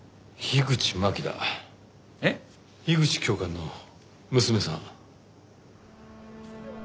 樋口教官の娘さん。